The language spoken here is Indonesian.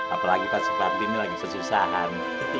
apalagi pak subarti ini lagi kesusahan